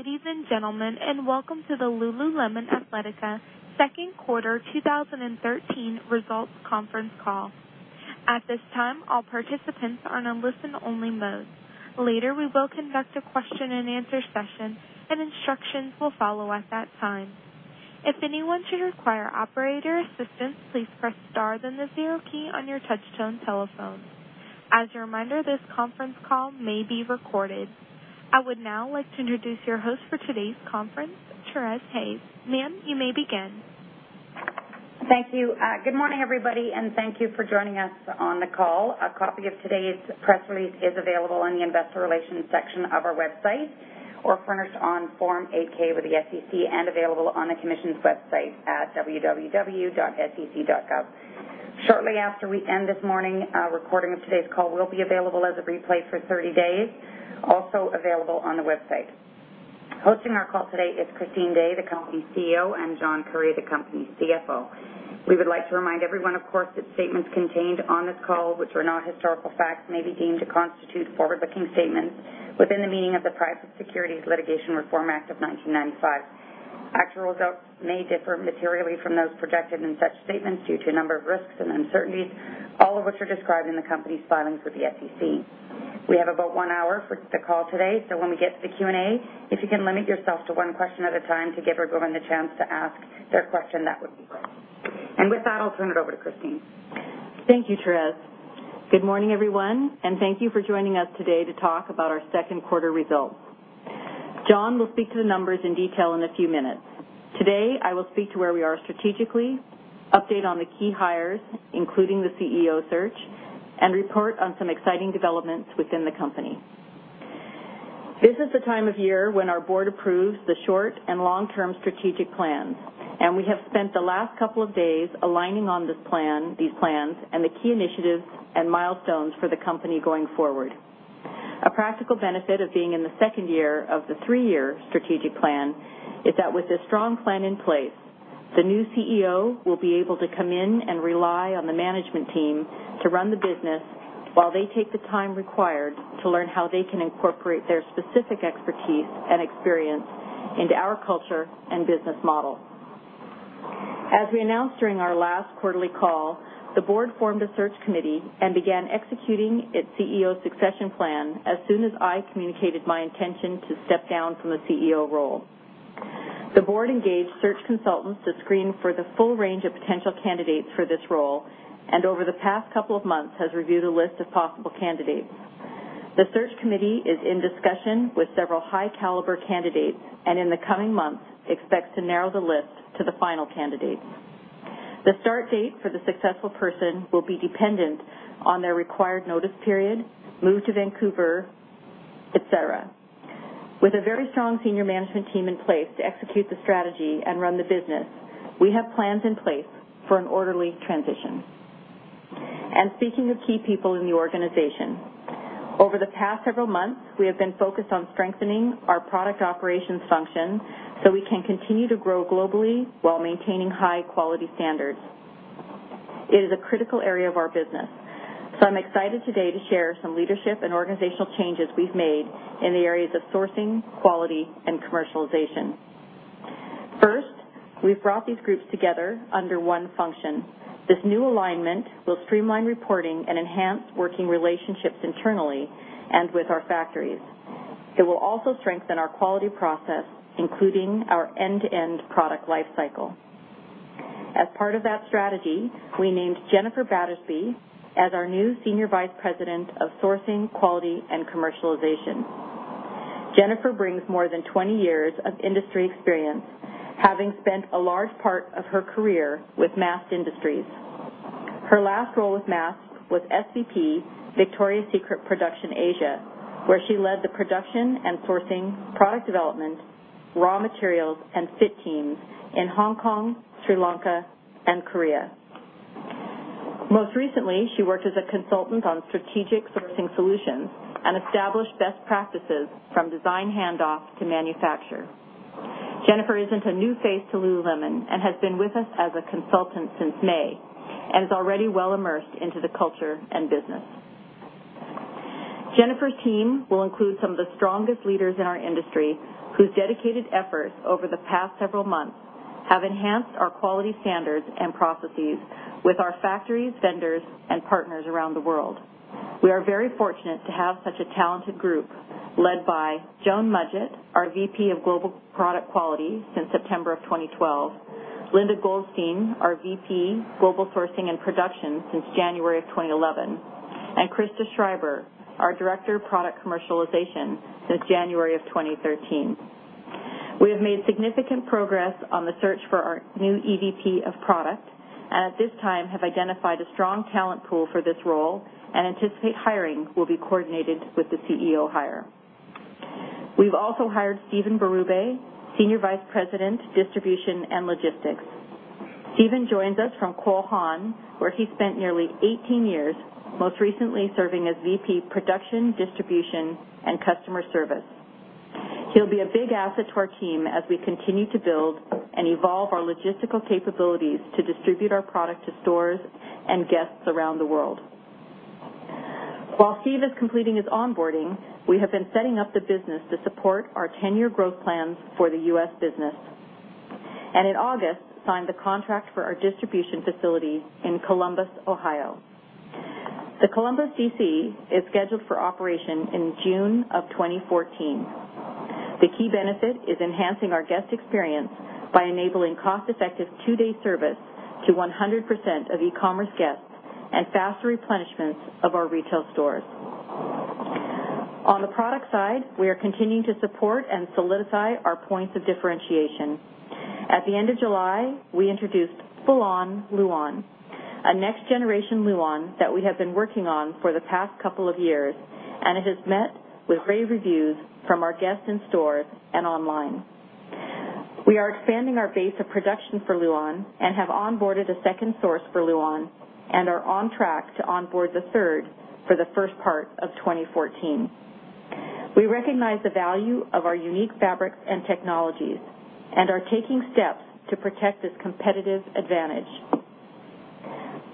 Good day, ladies and gentlemen, and welcome to the Lululemon Athletica second quarter 2013 results conference call. At this time, all participants are in listen only mode. Later, we will conduct a question and answer session and instructions will follow at that time. If anyone should require operator assistance, please press star then the zero key on your touchtone telephone. As a reminder, this conference call may be recorded. I would now like to introduce your host for today's conference, Therese Hayes. Ma'am, you may begin. Thank you. Good morning, everybody, thank you for joining us on the call. A copy of today's press release is available in the investor relations section of our website or furnished on Form 8-K with the SEC and available on the Commission's website at www.sec.gov. Shortly after we end this morning, a recording of today's call will be available as a replay for 30 days, also available on the website. Hosting our call today is Christine Day, the company's CEO, and John Currie, the company's CFO. We would like to remind everyone, of course, that statements contained on this call, which are not historical facts, may be deemed to constitute forward-looking statements within the meaning of the Private Securities Litigation Reform Act of 1995. Actual results may differ materially from those projected in such statements due to a number of risks and uncertainties, all of which are described in the company's filings with the SEC. We have about one hour for the call today, so when we get to the Q&A, if you can limit yourself to one question at a time to give everyone the chance to ask their question, that would be great. With that, I'll turn it over to Christine. Thank you, Therese. Good morning, everyone, and thank you for joining us today to talk about our second quarter results. John will speak to the numbers in detail in a few minutes. Today, I will speak to where we are strategically, update on the key hires, including the CEO search, and report on some exciting developments within the company. This is the time of year when our board approves the short and long-term strategic plans, and we have spent the last couple of days aligning on these plans and the key initiatives and milestones for the company going forward. A practical benefit of being in the second year of the three-year strategic plan is that with a strong plan in place, the new CEO will be able to come in and rely on the management team to run the business while they take the time required to learn how they can incorporate their specific expertise and experience into our culture and business model. As we announced during our last quarterly call, the board formed a search committee and began executing its CEO succession plan as soon as I communicated my intention to step down from the CEO role. The board engaged search consultants to screen for the full range of potential candidates for this role, and over the past couple of months has reviewed a list of possible candidates. The search committee is in discussion with several high caliber candidates, in the coming months, expects to narrow the list to the final candidate. The start date for the successful person will be dependent on their required notice period, move to Vancouver, et cetera. With a very strong senior management team in place to execute the strategy and run the business, we have plans in place for an orderly transition. Speaking of key people in the organization, over the past several months, we have been focused on strengthening our product operations function so we can continue to grow globally while maintaining high quality standards. It is a critical area of our business, I'm excited today to share some leadership and organizational changes we've made in the areas of sourcing, quality, and commercialization. First, we've brought these groups together under one function. This new alignment will streamline reporting and enhance working relationships internally and with our factories. It will also strengthen our quality process, including our end-to-end product life cycle. As part of that strategy, we named Jennifer Battersby as our new Senior Vice President of Sourcing, Quality, and Commercialization. Jennifer brings more than 20 years of industry experience, having spent a large part of her career with Mast Industries. Her last role with Mast was SVP, Victoria's Secret Production Asia, where she led the production and sourcing, product development, raw materials, and fit teams in Hong Kong, Sri Lanka, and Korea. Most recently, she worked as a consultant on strategic sourcing solutions and established best practices from design handoff to manufacture. Jennifer isn't a new face to Lululemon and has been with us as a consultant since May and is already well immersed into the culture and business. Jennifer's team will include some of the strongest leaders in our industry, whose dedicated efforts over the past several months have enhanced our quality standards and processes with our factories, vendors, and partners around the world. We are very fortunate to have such a talented group led by Joan Mudgett, our VP of Global Product Quality since September of 2012, Linda Goldstein, our VP, Global Sourcing and Production since January of 2011, and Krista Schreiber, our Director of Product Commercialization since January of 2013. We have made significant progress on the search for our new EVP of product, and at this time have identified a strong talent pool for this role and anticipate hiring will be coordinated with the CEO hire. We've also hired Steve Berube, Senior Vice President, Distribution and Logistics. Steven joins us from Cole Haan, where he spent nearly 18 years, most recently serving as VP, production, distribution, and customer service. He'll be a big asset to our team as we continue to build and evolve our logistical capabilities to distribute our product to stores and guests around the world. While Steve is completing his onboarding, we have been setting up the business to support our 10-year growth plans for the U.S. business, and in August, signed the contract for our distribution facility in Columbus, Ohio. The Columbus DC is scheduled for operation in June of 2014. The key benefit is enhancing our guest experience by enabling cost-effective two-day service to 100% of e-commerce guests and faster replenishments of our retail stores. On the product side, we are continuing to support and solidify our points of differentiation. At the end of July, we introduced Full-On Luon, a next generation Luon that we have been working on for the past couple of years, and it has met with rave reviews from our guests in stores and online. We are expanding our base of production for Luon and have onboarded a second source for Luon and are on track to onboard the third for the first part of 2014. We recognize the value of our unique fabrics and technologies and are taking steps to protect this competitive advantage.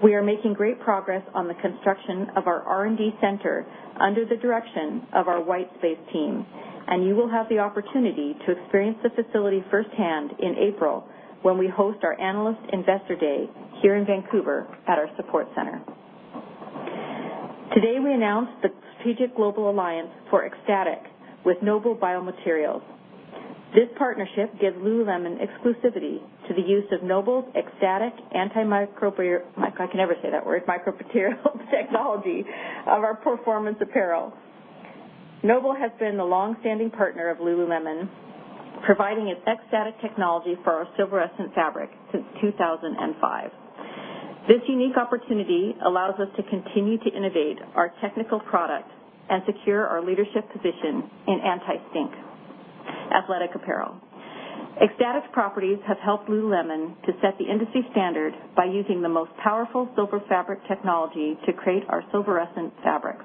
We are making great progress on the construction of our R&D center under the direction of our Whitespace team, and you will have the opportunity to experience the facility firsthand in April when we host our Analyst Investor Day here in Vancouver at our support center. Today, we announced the strategic global alliance for X-STATIC with Noble Biomaterials. This partnership gives Lululemon exclusivity to the use of Noble's X-STATIC antimicrobial, I can never say that word, micro material technology of our performance apparel. Noble has been the longstanding partner of Lululemon, providing its X-STATIC technology for our Silverescent fabric since 2005. This unique opportunity allows us to continue to innovate our technical product and secure our leadership position in anti-stink athletic apparel. X-STATIC properties have helped Lululemon to set the industry standard by using the most powerful silver fabric technology to create our Silverescent fabrics.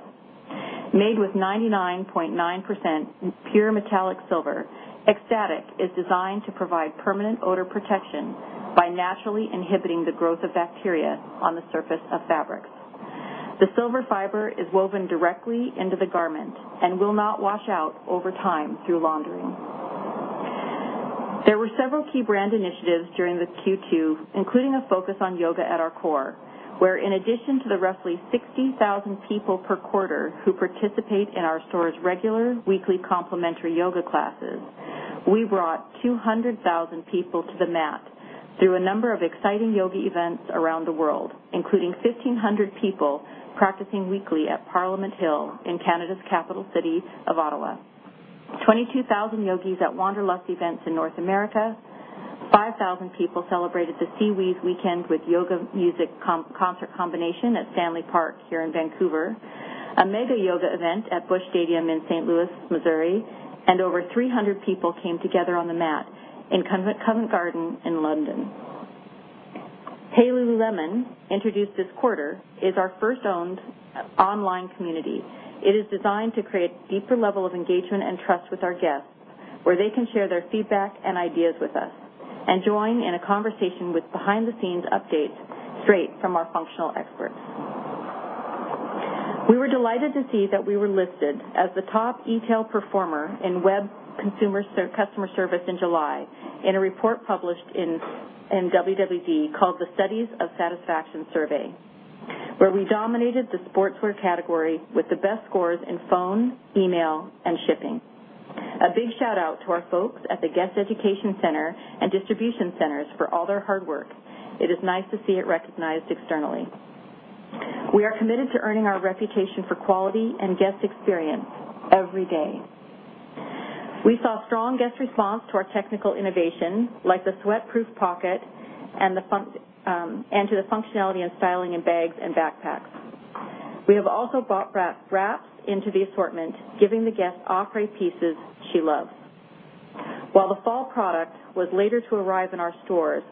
Made with 99.9% pure metallic silver, X-STATIC is designed to provide permanent odor protection by naturally inhibiting the growth of bacteria on the surface of fabrics. The silver fiber is woven directly into the garment and will not wash out over time through laundering. There were several key brand initiatives during the Q2, including a focus on yoga at our core, where in addition to the roughly 60,000 people per quarter who participate in our store's regular weekly complimentary yoga classes, we brought 200,000 people to the mat through a number of exciting yoga events around the world, including 1,500 people practicing weekly at Parliament Hill in Canada's capital city of Ottawa. 22,000 yogis at Wanderlust events in North America, 5,000 people celebrated the SeaWheeze Weekend with yoga music concert combination at Stanley Park here in Vancouver, a mega yoga event at Busch Stadium in St. Louis, Missouri, and over 300 people came together on the mat in Covent Garden in London. Hey Lululemon, introduced this quarter, is our first-owned online community. It is designed to create deeper level of engagement and trust with our guests, where they can share their feedback and ideas with us and join in a conversation with behind-the-scenes updates straight from our functional experts. We were delighted to see that we were listed as the top e-tail performer in web customer service in July in a report published in WWD called the Studies of Satisfaction Survey, where we dominated the sportswear category with the best scores in phone, email, and shipping. A big shout-out to our folks at the guest education center and distribution centers for all their hard work. It is nice to see it recognized externally. We are committed to earning our reputation for quality and guest experience every day. We saw strong guest response to our technical innovation, like the sweatproof pocket and to the functionality and styling in bags and backpacks. We have also brought wraps into the assortment, giving the guest à la carte pieces she loves. While the fall product was later to arrive in our stores,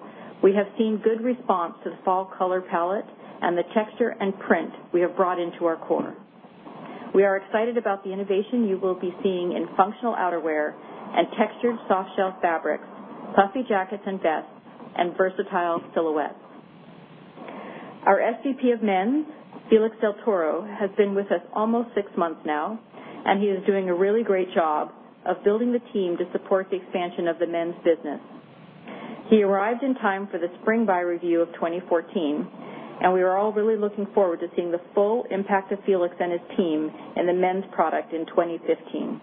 we have seen good response to the fall color palette and the texture and print we have brought into our corner. We are excited about the innovation you will be seeing in functional outerwear and textured soft shell fabrics, puffy jackets and vests, and versatile silhouettes. Our SVP of men's, Felix del Toro, has been with us almost six months now, and he is doing a really great job of building the team to support the expansion of the men's business. He arrived in time for the spring buy review of 2014, and we are all really looking forward to seeing the full impact of Felix and his team in the men's product in 2015.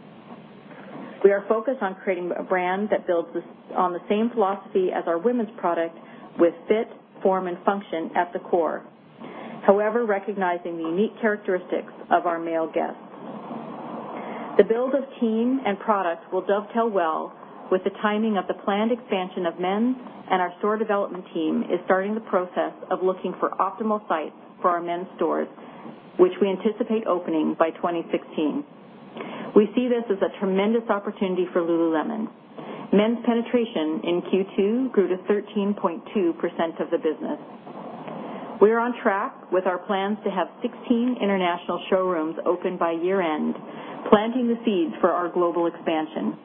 We are focused on creating a brand that builds on the same philosophy as our women's product with fit, form, and function at the core. However, recognizing the unique characteristics of our male guests, the build of team and product will dovetail well with the timing of the planned expansion of men's, and our store development team is starting the process of looking for optimal sites for our men's stores, which we anticipate opening by 2016. We see this as a tremendous opportunity for Lululemon. Men's penetration in Q2 grew to 13.2% of the business. We are on track with our plans to have 16 international showrooms open by year-end, planting the seeds for our global expansion.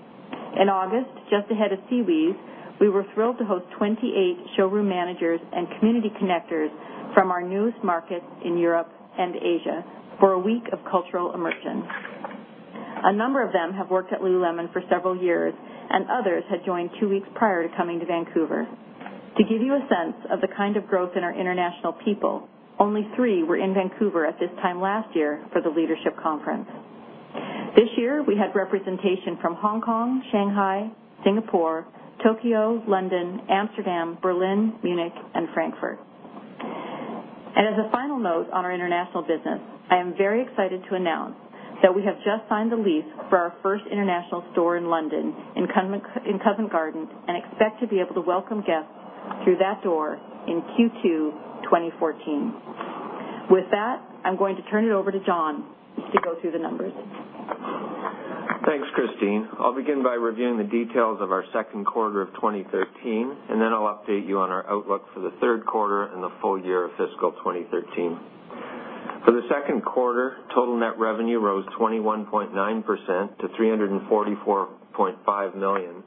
In August, just ahead of SeaWheeze, we were thrilled to host 28 showroom managers and community connectors from our newest markets in Europe and Asia for a week of cultural immersion. A number of them have worked at Lululemon for several years, and others had joined two weeks prior to coming to Vancouver. To give you a sense of the kind of growth in our international people, only three were in Vancouver at this time last year for the leadership conference. This year, we had representation from Hong Kong, Shanghai, Singapore, Tokyo, London, Amsterdam, Berlin, Munich, and Frankfurt. As a final note on our international business, I am very excited to announce that we have just signed a lease for our first international store in London, in Covent Garden, and expect to be able to welcome guests through that door in Q2 2014. With that, I'm going to turn it over to John to go through the numbers. Thanks, Christine. I will begin by reviewing the details of our second quarter of 2013, then I will update you on our outlook for the third quarter and the full year of fiscal 2013. For the second quarter, total net revenue rose 21.9% to $344.5 million,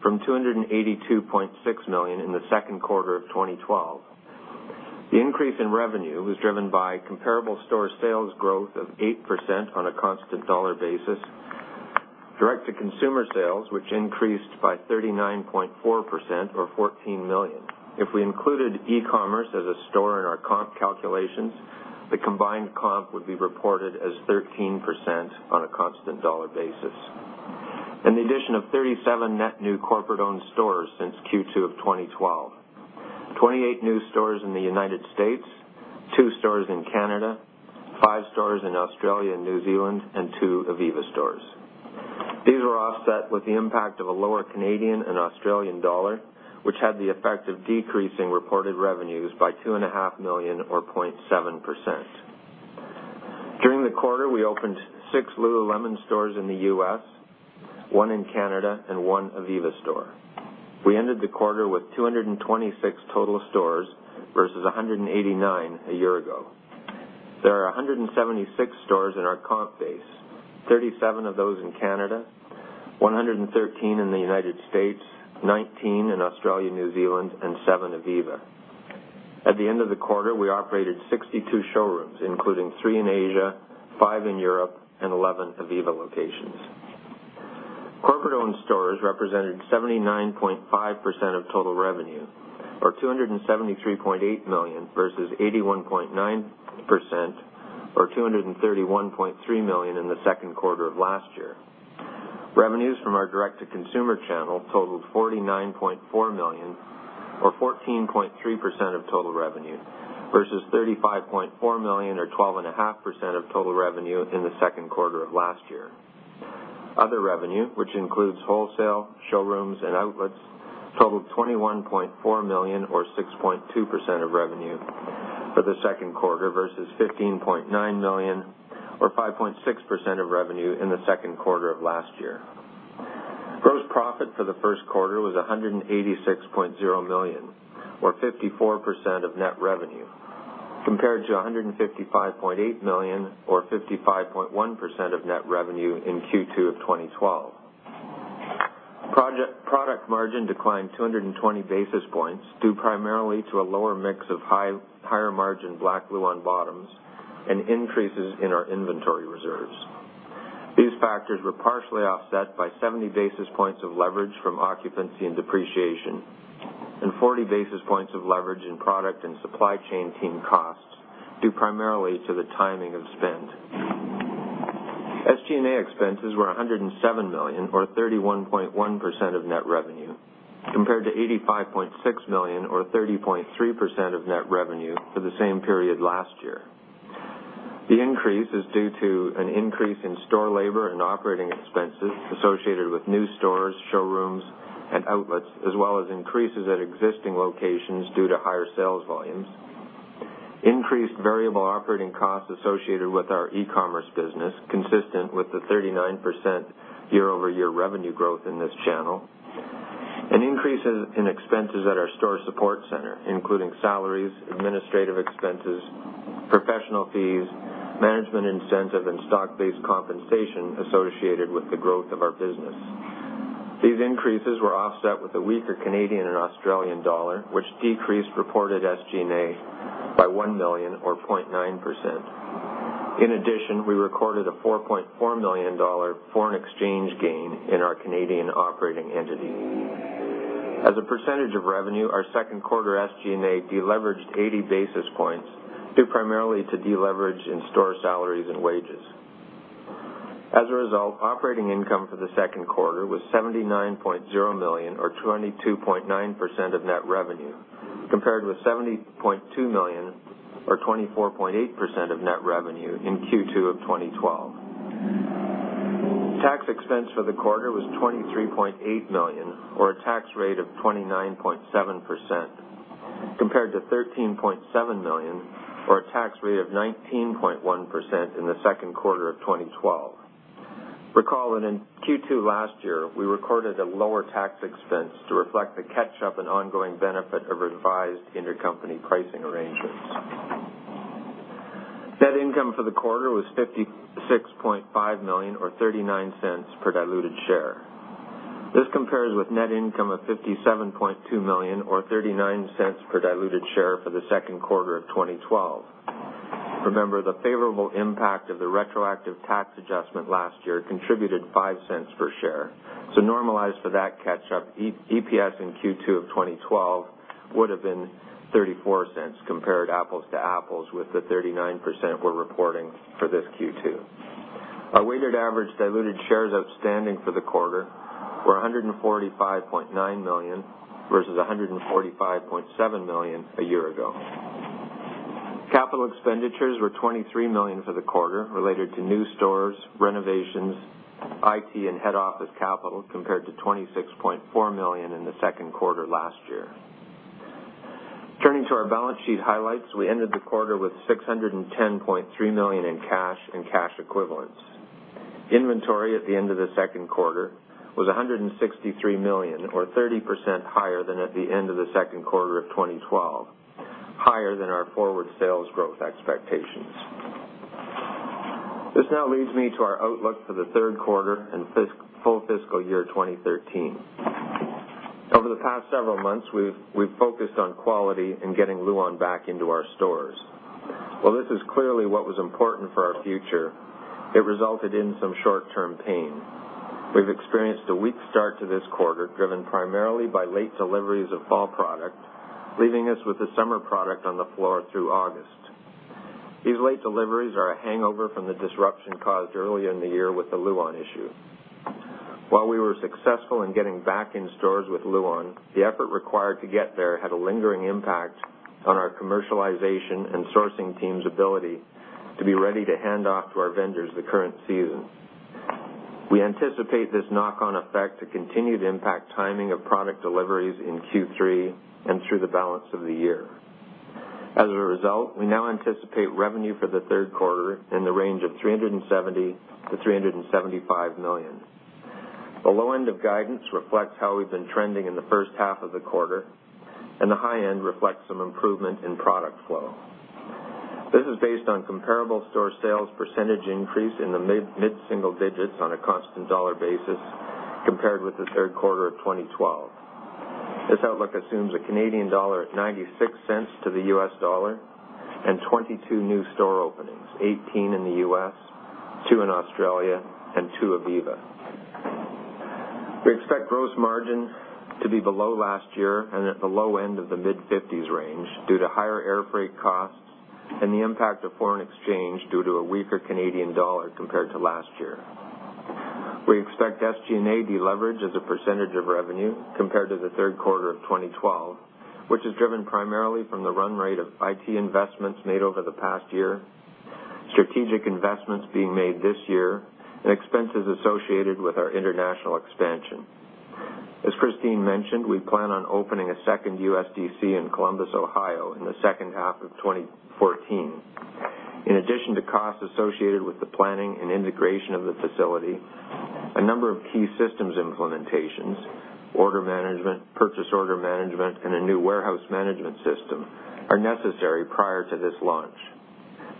from $282.6 million in the second quarter of 2012. The increase in revenue was driven by comparable store sales growth of 8% on a constant dollar basis, direct-to-consumer sales, which increased by 39.4%, or $14 million. If we included e-commerce as a store in our comp calculations, the combined comp would be reported as 13% on a constant dollar basis. The addition of 37 net new corporate-owned stores since Q2 of 2012, 28 new stores in the U.S., two stores in Canada, five stores in Australia and New Zealand, and two ivivva stores. These were offset with the impact of a lower Canadian and Australian dollar, which had the effect of decreasing reported revenues by $2.5 million or 0.7%. During the quarter, we opened six Lululemon stores in the U.S., one in Canada, and one ivivva store. We ended the quarter with 226 total stores versus 189 a year ago. There are 176 stores in our comp base, 37 of those in Canada, 113 in the U.S., 19 in Australia, New Zealand, and seven ivivva. At the end of the quarter, we operated 62 showrooms, including three in Asia, five in Europe, and 11 ivivva locations. Corporate-owned stores represented 79.5% of total revenue, or $273.8 million versus 81.9%, or $231.3 million in the second quarter of last year. Revenues from our direct-to-consumer channel totaled $49.4 million, or 14.3% of total revenue, versus $35.4 million or 12.5% of total revenue in the second quarter of last year. Other revenue, which includes wholesale, showrooms, and outlets, totaled $21.4 million or 6.2% of revenue for the second quarter versus $15.9 million or 5.6% of revenue in the second quarter of last year. Gross profit for the second quarter was $186.0 million or 54% of net revenue, compared to $155.8 million or 55.1% of net revenue in Q2 of 2012. Product margin declined 220 basis points, due primarily to a lower mix of higher margin black Luon bottoms and increases in our inventory reserves. These factors were partially offset by 70 basis points of leverage from occupancy and depreciation and 40 basis points of leverage in product and supply chain team costs, due primarily to the timing of spend. SG&A expenses were $107 million or 31.1% of net revenue, compared to $85.6 million or 30.3% of net revenue for the same period last year. The increase is due to an increase in store labor and operating expenses associated with new stores, showrooms, and outlets, as well as increases at existing locations due to higher sales volumes. Increased variable operating costs associated with our e-commerce business, consistent with the 39% year-over-year revenue growth in this channel. An increase in expenses at our store support center, including salaries, administrative expenses, professional fees, management incentive, and stock-based compensation associated with the growth of our business. These increases were offset with a weaker Canadian and Australian dollar, which decreased reported SG&A by $1 million or 0.9%. In addition, we recorded a $4.4 million foreign exchange gain in our Canadian operating entity. As a percentage of revenue, our second quarter SG&A deleveraged 80 basis points due primarily to deleverage in store salaries and wages. As a result, operating income for the second quarter was $79.0 million or 22.9% of net revenue, compared with $70.2 million or 24.8% of net revenue in Q2 of 2012. Tax expense for the quarter was $23.8 million, or a tax rate of 29.7%, compared to $13.7 million, or a tax rate of 19.1% in the second quarter of 2012. Recall that in Q2 last year, we recorded a lower tax expense to reflect the catch-up and ongoing benefit of revised intercompany pricing arrangements. Net income for the quarter was $56.5 million, or $0.39 per diluted share. This compares with net income of $57.2 million, or $0.39 per diluted share for the second quarter of 2012. Remember, the favorable impact of the retroactive tax adjustment last year contributed $0.05 per share. Normalized for that catch up, EPS in Q2 of 2012 would've been $0.34 compared apples to apples with the $0.39 we're reporting for this Q2. Our weighted average diluted shares outstanding for the quarter were 145.9 million, versus 145.7 million a year ago. Capital expenditures were $23 million for the quarter related to new stores, renovations, IT, and head office capital, compared to $26.4 million in the second quarter last year. Turning to our balance sheet highlights, we ended the quarter with $610.3 million in cash and cash equivalents. Inventory at the end of the second quarter was $163 million, or 30% higher than at the end of the second quarter of 2012, higher than our forward sales growth expectations. This now leads me to our outlook for the third quarter and full fiscal year 2013. Over the past several months, we've focused on quality and getting Luon back into our stores. While this is clearly what was important for our future, it resulted in some short-term pain. We've experienced a weak start to this quarter, driven primarily by late deliveries of fall product, leaving us with the summer product on the floor through August. These late deliveries are a hangover from the disruption caused earlier in the year with the Luon issue. While we were successful in getting back in stores with Luon, the effort required to get there had a lingering impact on our commercialization and sourcing team's ability to be ready to hand off to our vendors the current season. We anticipate this knock-on effect to continue to impact timing of product deliveries in Q3 and through the balance of the year. As a result, we now anticipate revenue for the third quarter in the range of $370 million-$375 million. The low end of guidance reflects how we've been trending in the first half of the quarter, and the high end reflects some improvement in product flow. This is based on comparable store sales percentage increase in the mid-single digits on a constant dollar basis compared with the third quarter of 2012. This outlook assumes a Canadian dollar at 0.96 to the U.S. dollar and 22 new store openings: 18 in the U.S., two in Australia, and two ivivva. We expect gross margin to be below last year and at the low end of the mid-50s range due to higher airfreight costs and the impact of foreign exchange due to a weaker Canadian dollar compared to last year. We expect SG&A deleverage as a percentage of revenue compared to the third quarter of 2012, which is driven primarily from the run rate of IT investments made over the past year, strategic investments being made this year, and expenses associated with our international expansion. As Christine mentioned, we plan on opening a second USDC in Columbus, Ohio in the second half of 2014. In addition to costs associated with the planning and integration of the facility, a number of key systems implementations, order management, purchase order management, and a new warehouse management system are necessary prior to this launch.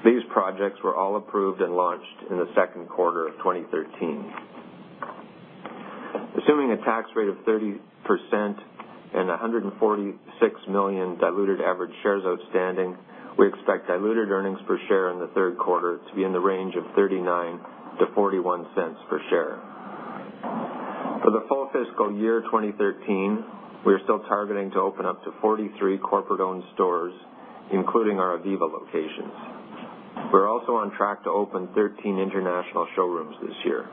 These projects were all approved and launched in the second quarter of 2013. Assuming a tax rate of 30% and 146 million diluted average shares outstanding, we expect diluted earnings per share in the third quarter to be in the range of $0.39-$0.41 per share. For the full FY 2013, we're still targeting to open up to 43 corporate-owned stores, including our ivivva locations. We're also on track to open 13 international showrooms this year.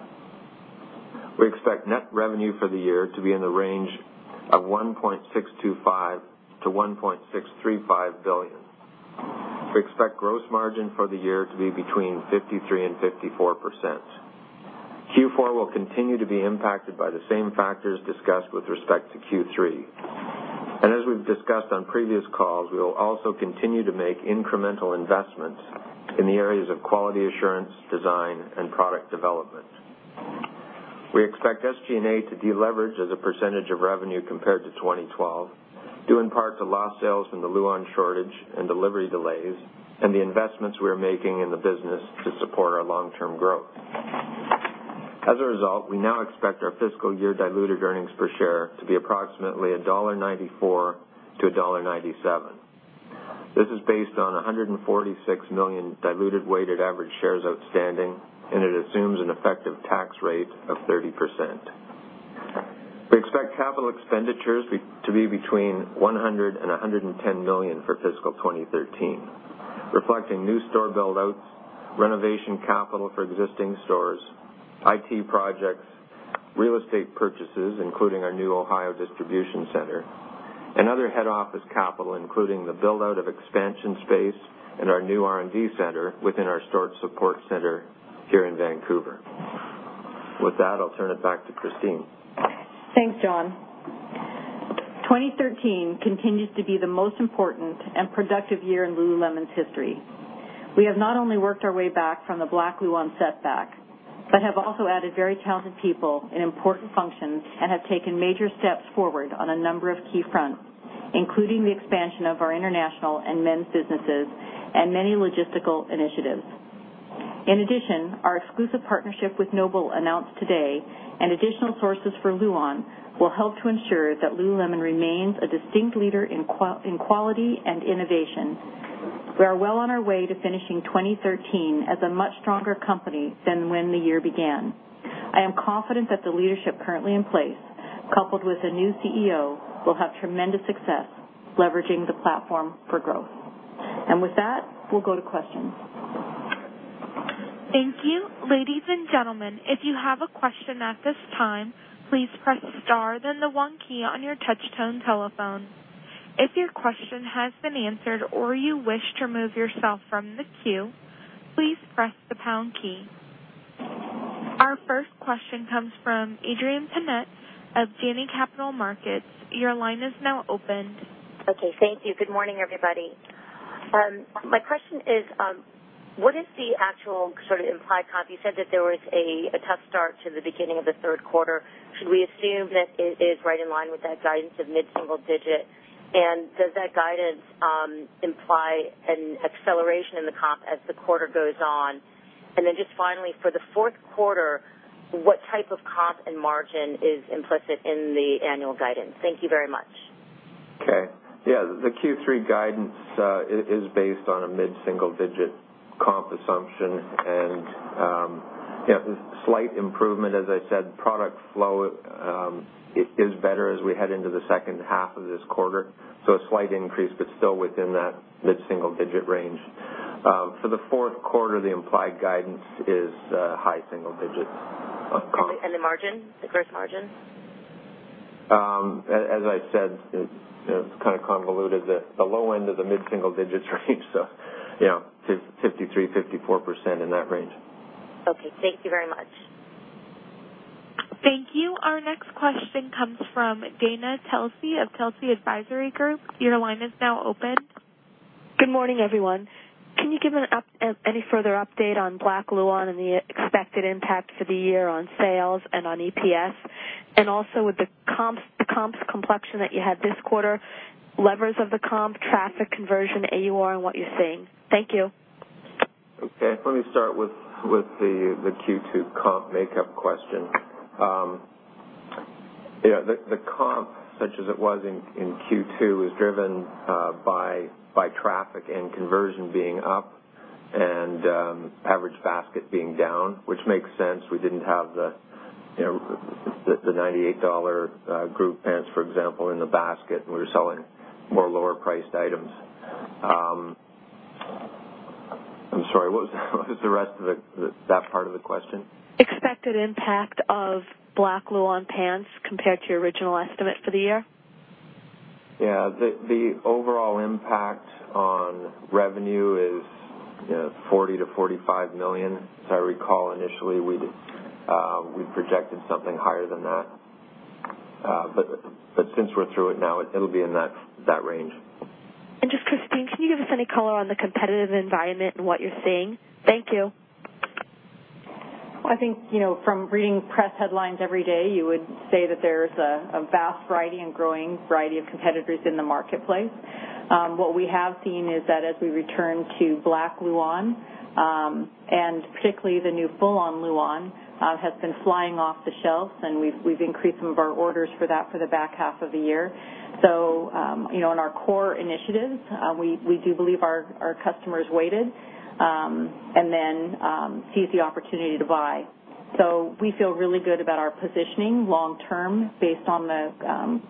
We expect net revenue for the year to be in the range of $1.625 billion-$1.635 billion. We expect gross margin for the year to be between 53% and 54%. Q4 will continue to be impacted by the same factors discussed with respect to Q3. As we've discussed on previous calls, we will also continue to make incremental investments in the areas of quality assurance, design, and product development. We expect SG&A to deleverage as a percentage of revenue compared to 2012, due in part to lost sales from the Luon shortage and delivery delays and the investments we are making in the business to support our long-term growth. As a result, we now expect our FY diluted earnings per share to be approximately $1.94-$1.97. This is based on 146 million diluted weighted average shares outstanding, and it assumes an effective tax rate of 30%. We expect capital expenditures to be between $100 million and $110 million for FY 2013, reflecting new store build-outs, renovation capital for existing stores, IT projects, real estate purchases, including our new Ohio distribution center, and other head office capital, including the build-out of expansion space and our new R&D center within our store support center here in Vancouver. With that, I'll turn it back to Christine. Thanks, John. 2013 continues to be the most important and productive year in Lululemon's history. We have not only worked our way back from the black Luon setback but have also added very talented people in important functions and have taken major steps forward on a number of key fronts. Including the expansion of our international and men's businesses and many logistical initiatives. In addition, our exclusive partnership with Noble, announced today, and additional sources for Luon will help to ensure that Lululemon remains a distinct leader in quality and innovation. We are well on our way to finishing 2013 as a much stronger company than when the year began. I am confident that the leadership currently in place, coupled with a new CEO, will have tremendous success leveraging the platform for growth. With that, we'll go to questions. Thank you. Ladies and gentlemen, if you have a question at this time, please press star then the one key on your touch tone telephone. If your question has been answered or you wish to remove yourself from the queue, please press the pound key. Our first question comes from Adrienne Tennant of Janney Capital Markets. Your line is now open. Okay. Thank you. Good morning, everybody. My question is, what is the actual sort of implied comp? You said that there was a tough start to the beginning of the third quarter. Should we assume that it is right in line with that guidance of mid-single digit? Does that guidance imply an acceleration in the comp as the quarter goes on? Then just finally, for the fourth quarter, what type of comp and margin is implicit in the annual guidance? Thank you very much. Okay. Yeah, the Q3 guidance is based on a mid-single digit comp assumption and slight improvement. As I said, product flow is better as we head into the second half of this quarter, so a slight increase, but still within that mid-single digit range. For the fourth quarter, the implied guidance is high single digits of comp. The margin, the gross margin? As I said, it's kind of convoluted that the low end of the mid-50s range, so 53%, 54%, in that range. Okay. Thank you very much. Thank you. Our next question comes from Dana Telsey of Telsey Advisory Group. Your line is now open. Good morning, everyone. Can you give any further update on black Luon and the expected impact for the year on sales and on EPS? Also, with the comps complexion that you had this quarter, levers of the comp, traffic conversion, AUR, and what you're seeing. Thank you. Okay. Let me start with the Q2 comp makeup question. The comp, such as it was in Q2, is driven by traffic and conversion being up and average basket being down, which makes sense. We didn't have the $98 Groove Pant, for example, in the basket, and we were selling more lower-priced items. I'm sorry, what was the rest of that part of the question? Expected impact of black Luon pants compared to your original estimate for the year. Yeah. The overall impact on revenue is $40 million-$45 million. As I recall, initially, we'd projected something higher than that. Since we're through it now, it'll be in that range. Christine, can you give us any color on the competitive environment and what you're seeing? Thank you. I think, from reading press headlines every day, you would say that there's a vast variety and growing variety of competitors in the marketplace. What we have seen is that as we return to black Luon, and particularly the new Full-On Luon, has been flying off the shelves, and we've increased some of our orders for that for the back half of the year. In our core initiatives, we do believe our customers waited, and then seized the opportunity to buy. We feel really good about our positioning long term, based on the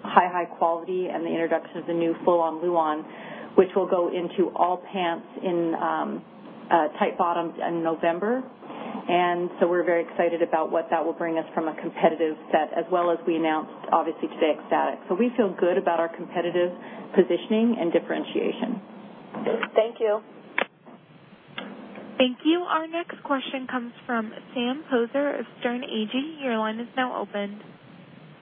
high, high quality and the introduction of the new Full-On Luon, which will go into all pants in tight bottoms in November. We're very excited about what that will bring us from a competitive set, as well as we announced, obviously, today, X-STATIC. We feel good about our competitive positioning and differentiation. Thank you. Thank you. Our next question comes from Sam Poser of Sterne Agee. Your line is now open.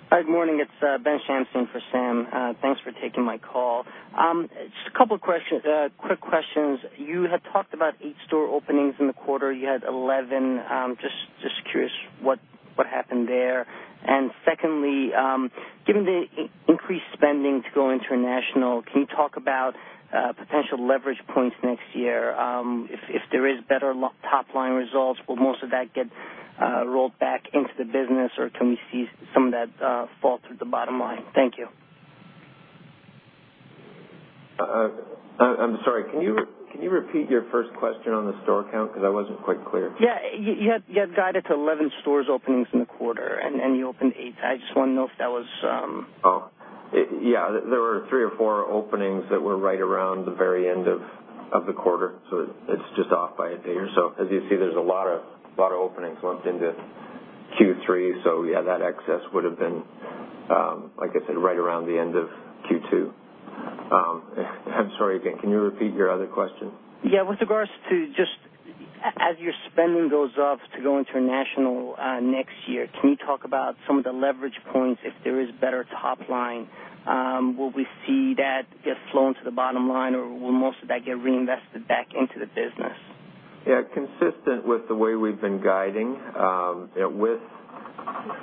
Hi, good morning. It's Ben Shamsian for Sam. Thanks for taking my call. Just a couple of quick questions. You had talked about eight store openings in the quarter. You had 11. Just curious what happened there. Secondly, given the increased spending to go international, can you talk about potential leverage points next year? If there is better top-line results, will most of that get rolled back into the business, or can we see some of that fall through the bottom line? Thank you. I'm sorry. Can you repeat your first question on the store count, because I wasn't quite clear? Yeah. You had guided to 11 store openings in the quarter, you opened eight. I just wanted to know if that was- Oh. Yeah, there were three or four openings that were right around the very end of the quarter, it's just off by a day or so. As you see, there's a lot of openings lumped into Q3, yeah, that excess would've been, like I said, right around the end of Q2. I'm sorry again, can you repeat your other question? Yeah. With regards to just as your spending goes up to go international next year, can you talk about some of the leverage points if there is better top line? Will we see that get flown to the bottom line, or will most of that get reinvested back into the business? Yeah. Consistent with the way we've been guiding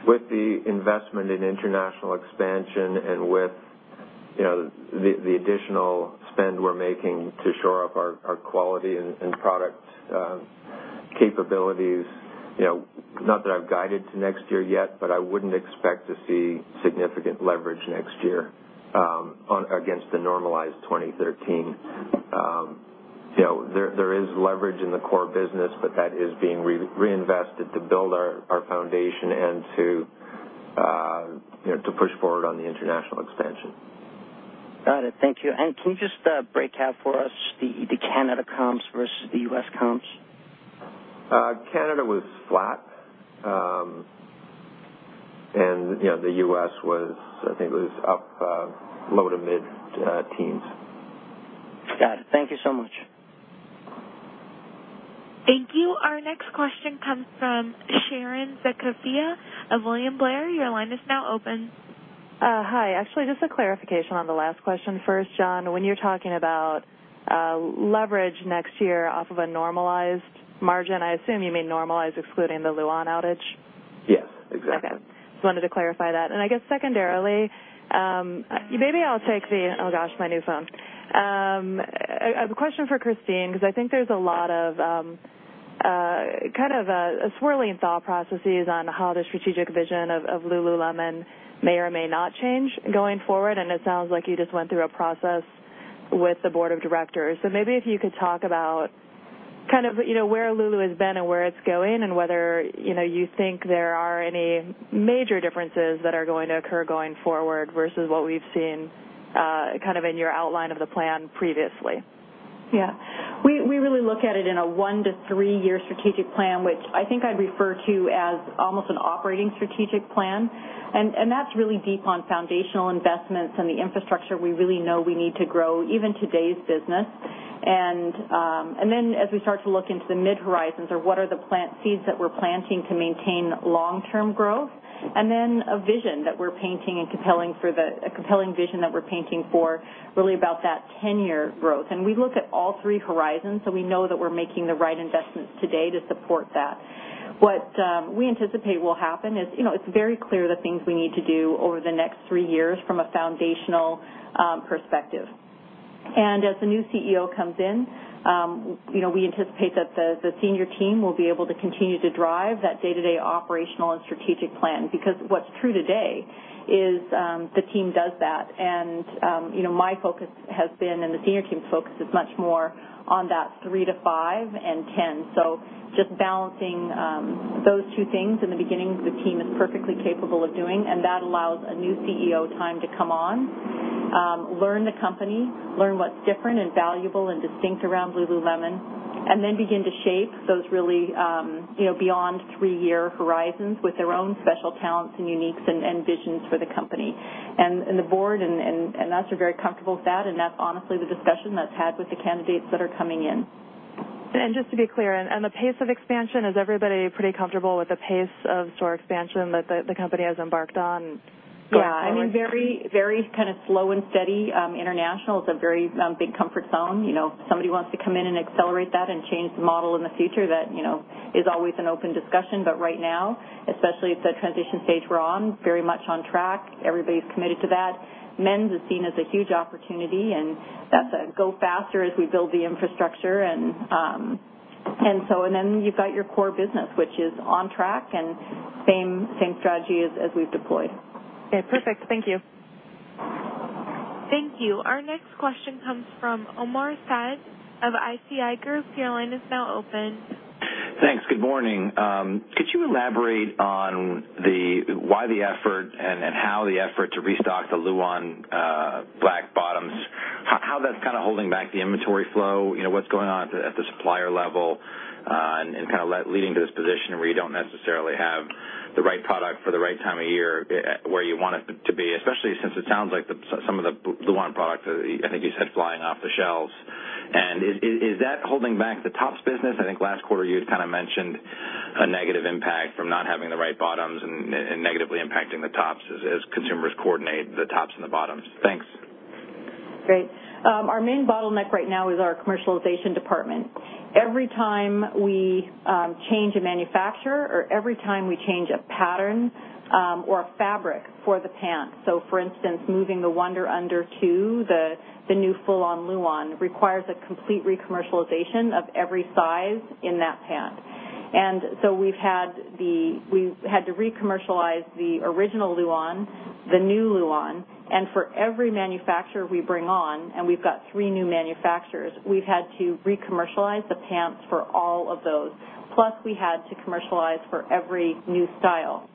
with the investment in international expansion and with the additional spend we're making to shore up our quality and product capabilities, not that I've guided to next year yet, but I wouldn't expect to see significant leverage next year against the normalized 2013. There is leverage in the core business, but that is being reinvested to build our foundation and to push forward on the international expansion. Got it. Thank you. Can you just break out for us the Canada comps versus the U.S. comps? Canada was flat. The U.S. was, I think, it was up low to mid teens. Got it. Thank you so much. Thank you. Our next question comes from Sharon Zackfia of William Blair. Your line is now open. Hi. Actually, just a clarification on the last question first, John. When you're talking about leverage next year off of a normalized margin, I assume you mean normalized excluding the Luon outage? Yes, exactly. Okay. Just wanted to clarify that. I guess secondarily, maybe I'll take the Oh, gosh, my new phone. I have a question for Christine, because I think there's a lot of swirling thought processes on how the strategic vision of Lululemon may or may not change going forward, and it sounds like you just went through a process with the board of directors. Maybe if you could talk about where Lulu has been and where it's going, and whether you think there are any major differences that are going to occur going forward versus what we've seen in your outline of the plan previously. Yeah. We really look at it in a one to three-year strategic plan, which I think I'd refer to as almost an operating strategic plan. That's really deep on foundational investments and the infrastructure we really know we need to grow even today's business. As we start to look into the mid horizons, or what are the seeds that we're planting to maintain long-term growth, a vision that we're painting, a compelling vision that we're painting for really about that 10-year growth. We look at all three horizons, so we know that we're making the right investments today to support that. What we anticipate will happen is, it's very clear the things we need to do over the next three years from a foundational perspective. As the new CEO comes in, we anticipate that the senior team will be able to continue to drive that day-to-day operational and strategic plan, because what's true today is the team does that. My focus has been, the senior team's focus is much more on that three to five and 10. Just balancing those two things in the beginning, the team is perfectly capable of doing, that allows a new CEO time to come on, learn the company, learn what's different and valuable and distinct around Lululemon, begin to shape those really beyond three-year horizons with their own special talents and uniques and visions for the company. The board and us are very comfortable with that's honestly the discussion that's had with the candidates that are coming in. Just to be clear, and the pace of expansion, is everybody pretty comfortable with the pace of store expansion that the company has embarked on going forward? Very slow and steady. International is a very big comfort zone. If somebody wants to come in and accelerate that and change the model in the future, that is always an open discussion. Right now, especially at the transition stage we're on, very much on track. Everybody's committed to that. Men's is seen as a huge opportunity, and that's a go faster as we build the infrastructure. You've got your core business, which is on track and same strategy as we've deployed. Okay, perfect. Thank you. Thank you. Our next question comes from Omar Saad of ISI Group. Your line is now open. Thanks. Good morning. Could you elaborate on why the effort and how the effort to restock the Luon black bottoms, how that's holding back the inventory flow? What's going on at the supplier level, leading to this position where you don't necessarily have the right product for the right time of year where you want it to be, especially since it sounds like some of the Luon product, I think you said flying off the shelves. Is that holding back the tops business? I think last quarter you had mentioned a negative impact from not having the right bottoms and negatively impacting the tops as consumers coordinate the tops and the bottoms. Thanks. Great. Our main bottleneck right now is our commercialization department. Every time we change a manufacturer or every time we change a pattern or a fabric for the pant, for instance, moving the Wunder Under 2, the new Full-On Luon, requires a complete re-commercialization of every size in that pant. We've had to re-commercialize the original Luon, the new Luon, and for every manufacturer we bring on, and we've got three new manufacturers, we've had to re-commercialize the pants for all of those. Plus, we had to commercialize for every new style.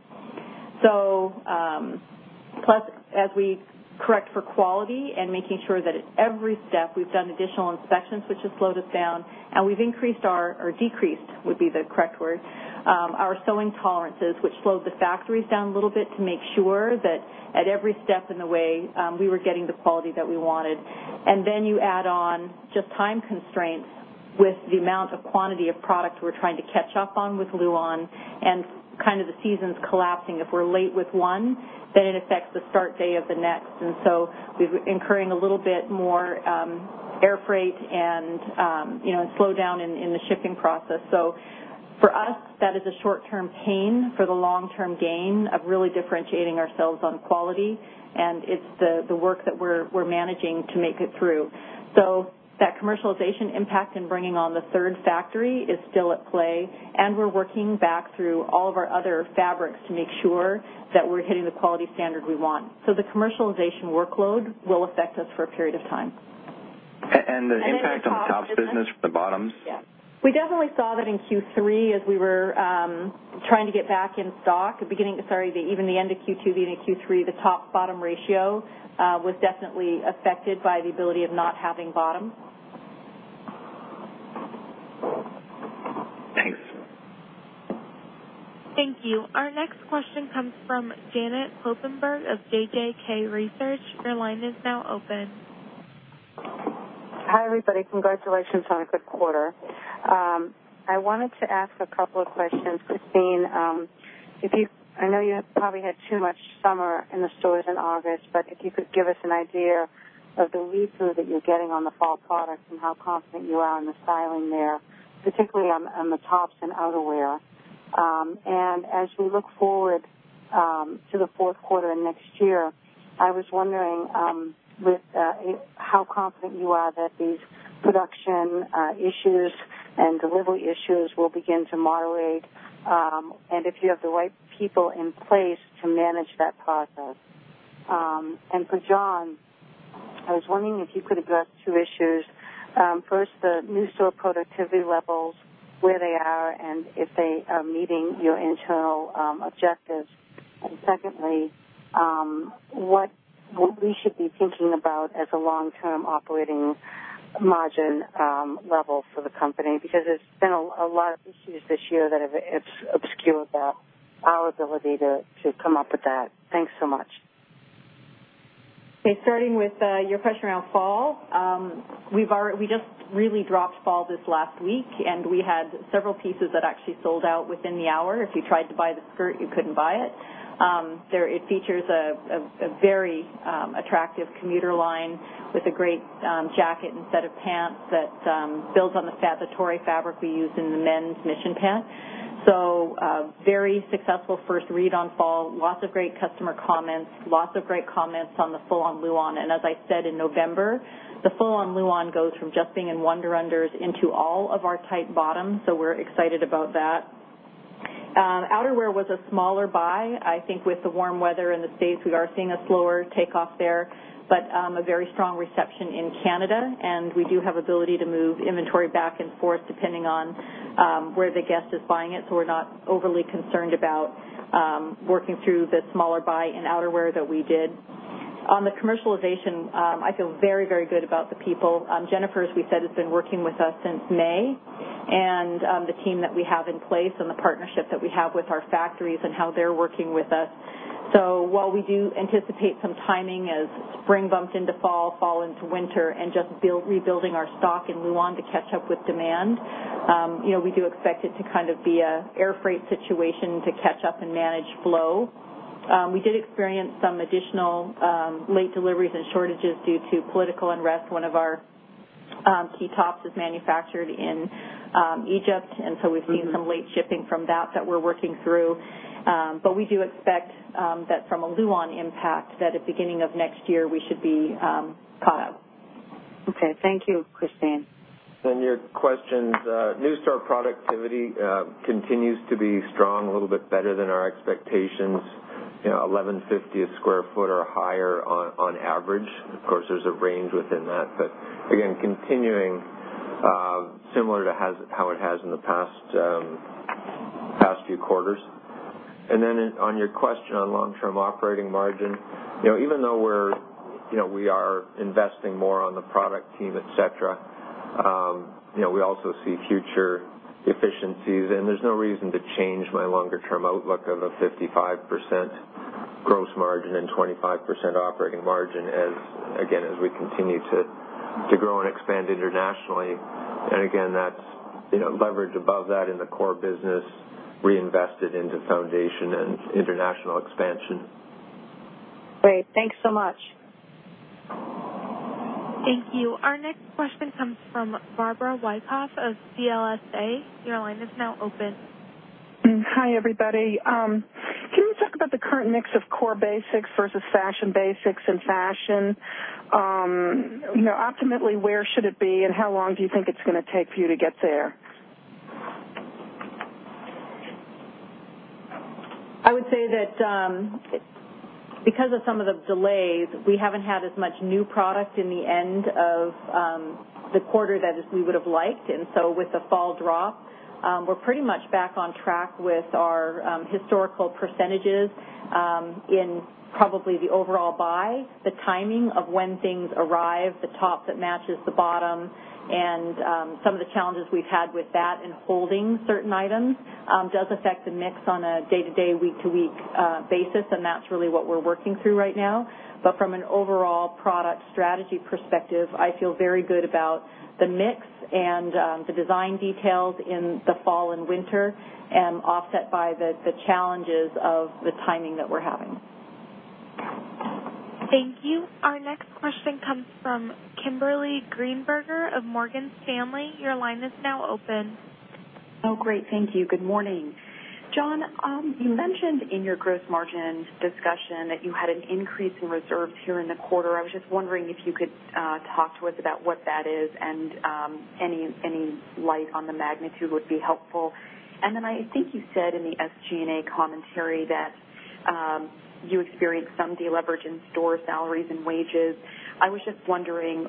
As we correct for quality and making sure that at every step we've done additional inspections, which has slowed us down, and we've increased our, or decreased would be the correct word, our sewing tolerances, which slowed the factories down a little bit to make sure that at every step in the way, we were getting the quality that we wanted. You add on just time constraints with the amount of quantity of product we're trying to catch up on with Luon and the seasons collapsing. If we're late with one, then it affects the start day of the next. We're incurring a little bit more air freight and slowdown in the shipping process. For us, that is a short-term pain for the long-term gain of really differentiating ourselves on quality, and it's the work that we're managing to make it through. That commercialization impact in bringing on the third factory is still at play, and we're working back through all of our other fabrics to make sure that we're hitting the quality standard we want. The commercialization workload will affect us for a period of time. The impact on the tops business from the bottoms? We definitely saw that in Q3 as we were trying to get back in stock, even the end of Q2, beginning of Q3, the top bottom ratio was definitely affected by the ability of not having bottoms. Thanks. Thank you. Our next question comes from Janet Kloppenburg of JJK Research. Your line is now open. Hi, everybody. Congratulations on a good quarter. I wanted to ask a couple of questions. Christine, I know you probably had too much summer in the stores in August, but if you could give us an idea of the read through that you're getting on the fall products and how confident you are in the styling there, particularly on the tops and outerwear. As we look forward to the fourth quarter and next year, I was wondering how confident you are that these production issues and delivery issues will begin to moderate, and if you have the right people in place to manage that process. For John, I was wondering if you could address two issues. First, the new store productivity levels, where they are, and if they are meeting your internal objectives. Secondly, what we should be thinking about as a long-term operating margin level for the company, because there's been a lot of issues this year that have obscured our ability to come up with that. Thanks so much. Okay, starting with your question around fall. We just really dropped fall this last week, and we had several pieces that actually sold out within the hour. If you tried to buy the skirt, you couldn't buy it. It features a very attractive commuter line with a great jacket and set of pants that builds on the Satori fabric we use in the men's Mission Pant. Very successful first read on fall, lots of great customer comments, lots of great comments on the Full-On Luon. As I said, in November, the Full-On Luon goes from just being in Wunder Unders into all of our tight bottoms. We're excited about that. Outerwear was a smaller buy. I think with the warm weather in the U.S., we are seeing a slower takeoff there, but a very strong reception in Canada, and we do have ability to move inventory back and forth depending on where the guest is buying it. We're not overly concerned about working through the smaller buy in outerwear that we did. On the commercialization, I feel very, very good about the people. Jennifer, as we said, has been working with us since May, and the team that we have in place and the partnership that we have with our factories and how they're working with us. While we do anticipate some timing as spring bumps into fall into winter, and just rebuilding our stock in Luon to catch up with demand, we do expect it to be an air freight situation to catch up and manage flow. We did experience some additional late deliveries and shortages due to political unrest. One of our key tops is manufactured in Egypt, we've seen some late shipping from that that we're working through. We do expect that from a Luon impact, that at the beginning of next year, we should be caught up. Okay. Thank you, Christine. Your questions. New store productivity continues to be strong, a little bit better than our expectations. $1,150 a square foot or higher on average. Of course, there's a range within that, but again, continuing similar to how it has in the past few quarters. On your question on long-term operating margin. Even though we are investing more on the product team, et cetera, we also see future efficiencies, and there's no reason to change my longer term outlook of a 55% gross margin and 25% operating margin as, again, as we continue to grow and expand internationally. Again, that's leverage above that in the core business reinvested into foundation and international expansion. Great. Thanks so much. Thank you. Our next question comes from Barbara Wyckoff of CLSA. Your line is now open. Hi, everybody. Can you talk about the current mix of core basics versus fashion basics and fashion? Ultimately, where should it be, and how long do you think it's gonna take for you to get there? I would say that because of some of the delays, we haven't had as much new product in the end of the quarter that we would have liked. With the fall drop, we're pretty much back on track with our historical percentages in probably the overall buy, the timing of when things arrive, the top that matches the bottom, and some of the challenges we've had with that in holding certain items does affect the mix on a day to day, week to week basis, and that's really what we're working through right now. From an overall product strategy perspective, I feel very good about the mix and the design details in the fall and winter, and offset by the challenges of the timing that we're having. Thank you. Our next question comes from Kimberly Greenberger of Morgan Stanley. Your line is now open. Great. Thank you. Good morning. John, you mentioned in your gross margin discussion that you had an increase in reserves here in the quarter. I was just wondering if you could talk to us about what that is, and any light on the magnitude would be helpful. I think you said in the SG&A commentary that you experienced some deleverage in store salaries and wages. I was just wondering,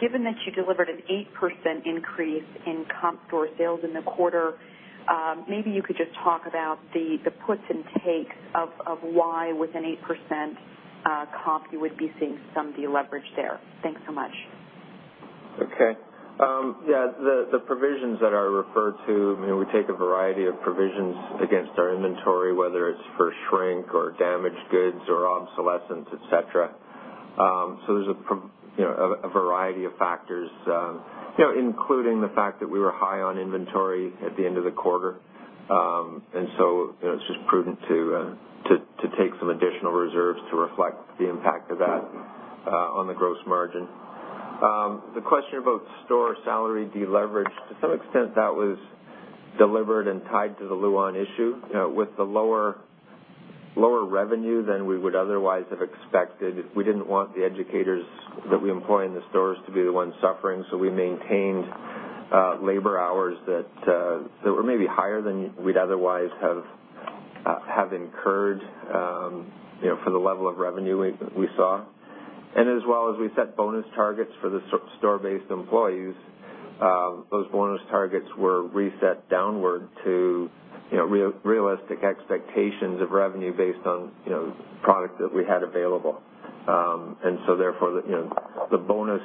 given that you delivered an 8% increase in comp store sales in the quarter, maybe you could just talk about the puts and takes of why with an 8% comp you would be seeing some deleverage there. Thanks so much. The provisions that are referred to, we take a variety of provisions against our inventory, whether it's for shrink or damaged goods or obsolescence, et cetera. There's a variety of factors, including the fact that we were high on inventory at the end of the quarter. It's just prudent to take some additional reserves to reflect the impact of that on the gross margin. The question about store salary deleverage, to some extent, that was delivered and tied to the Luon issue. With the lower revenue than we would otherwise have expected, we didn't want the educators that we employ in the stores to be the ones suffering, so we maintained labor hours that were maybe higher than we'd otherwise have incurred for the level of revenue we saw. As well as we set bonus targets for the store-based employees, those bonus targets were reset downward to realistic expectations of revenue based on product that we had available. Therefore, the bonus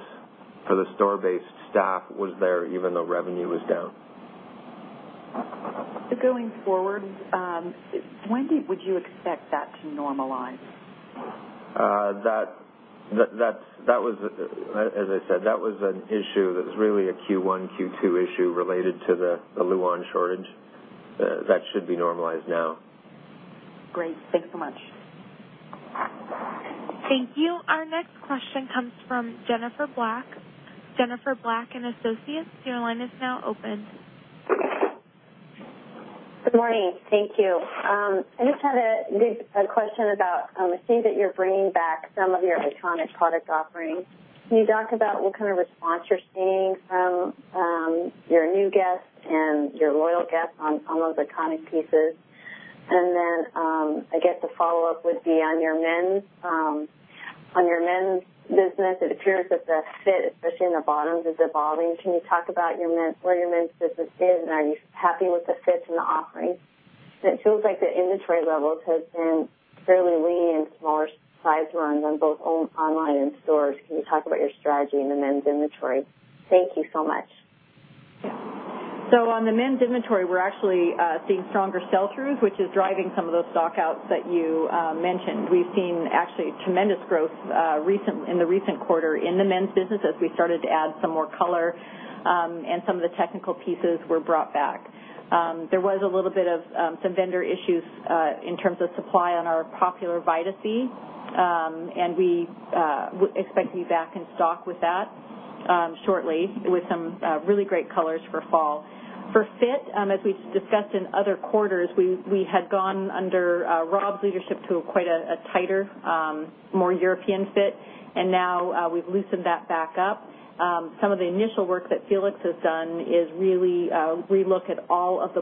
for the store-based staff was there, even though revenue was down. Going forward, when would you expect that to normalize? As I said, that was an issue that was really a Q1, Q2 issue related to the Luon shortage. That should be normalized now. Great. Thanks so much. Thank you. Our next question comes from Jennifer Black. Jennifer Black & Associates, your line is now open. Good morning. Thank you. I just had a question about, I see that you're bringing back some of your iconic product offerings. Can you talk about what kind of response you're seeing from your new guests and your loyal guests on some of those iconic pieces? Then I guess the follow-up would be on your men's business, it appears that the fit, especially in the bottoms, is evolving. Can you talk about where your men's business is, and are you happy with the fits and the offerings? It feels like the inventory levels have been fairly lean in smaller size runs on both online and stores. Can you talk about your strategy in the men's inventory? Thank you so much. Yeah. On the men's inventory, we're actually seeing stronger sell-throughs, which is driving some of those stock-outs that you mentioned. We've seen actually tremendous growth in the recent quarter in the men's business as we started to add some more color and some of the technical pieces were brought back. There was a little bit of some vendor issues in terms of supply on our popular VitaSea, we expect to be back in stock with that shortly with some really great colors for fall. For fit, as we've discussed in other quarters, we had gone under Rob's leadership to quite a tighter, more European fit. Now we've loosened that back up. Some of the initial work that Felix has done is really relook at all of the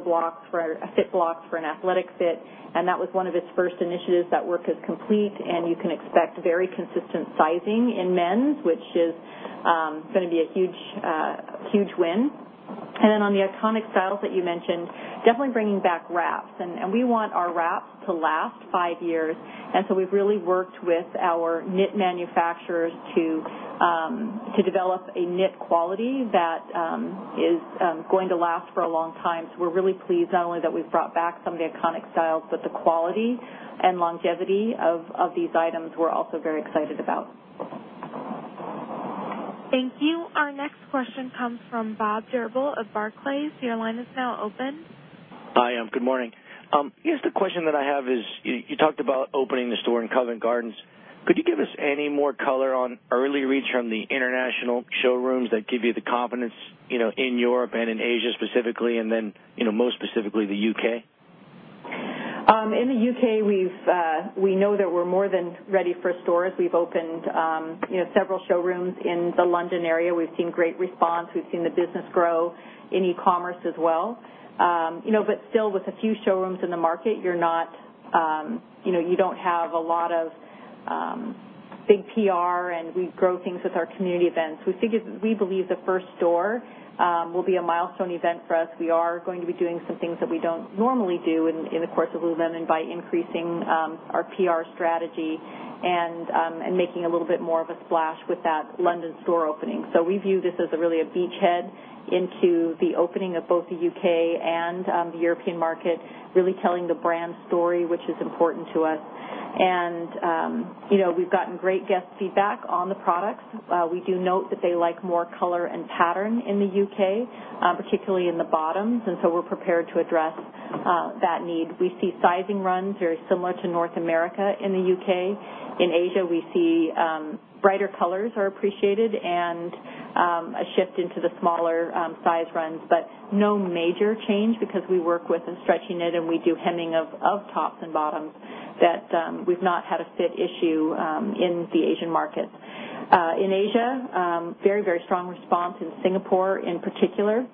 fit blocks for an athletic fit, that was one of his first initiatives. That work is complete, you can expect very consistent sizing in men's, which is going to be a huge win. Then on the iconic styles that you mentioned, definitely bringing back wraps. We want our wraps to last five years, we've really worked with our knit manufacturers to develop a knit quality that is going to last for a long time. We're really pleased not only that we've brought back some of the iconic styles, but the quality and longevity of these items, we're also very excited about. Thank you. Our next question comes from Bob Drbul of Barclays. Your line is now open. Hi. Good morning. I guess the question that I have is, you talked about opening the store in Covent Garden. Could you give us any more color on early reads from the international showrooms that give you the confidence in Europe and in Asia specifically, then most specifically the U.K.? In the U.K., we know that we're more than ready for stores. We've opened several showrooms in the London area. We've seen great response. We've seen the business grow in e-commerce as well. Still with a few showrooms in the market, you don't have a lot of big PR, and we grow things with our community events. We believe the first store will be a milestone event for us. We are going to be doing some things that we don't normally do in the course of Lululemon by increasing our PR strategy and making a little bit more of a splash with that London store opening. We view this as really a beachhead into the opening of both the U.K. and the European market, really telling the brand story, which is important to us. We've gotten great guest feedback on the products. We do note that they like more color and pattern in the U.K., particularly in the bottoms, so we're prepared to address that need. We see sizing runs very similar to North America in the U.K. In Asia, we see brighter colors are appreciated and a shift into the smaller size runs, no major change because we work with a stretchy knit and we do hemming of tops and bottoms that we've not had a fit issue in the Asian markets. In Asia, very strong response in Singapore in particular,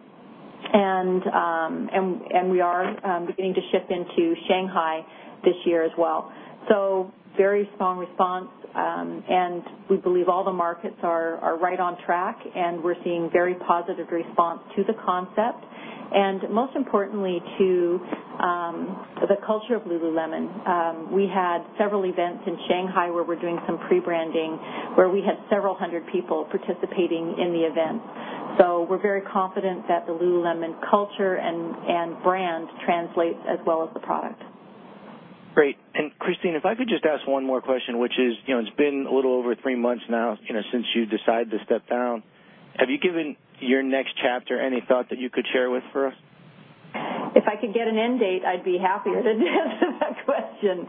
we are beginning to ship into Shanghai this year as well. Very strong response, and we believe all the markets are right on track, we're seeing very positive response to the concept. Most importantly, to the culture of Lululemon. We had several events in Shanghai where we're doing some pre-branding, where we had several hundred people participating in the events. We're very confident that the Lululemon culture and brand translates as well as the product. Great. Christine, if I could just ask one more question, which is, it's been a little over three months now since you decided to step down. Have you given your next chapter any thought that you could share with us? If I could get an end date, I'd be happier to answer that question.